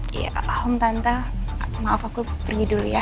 ya allahumma tanta maaf aku pergi dulu ya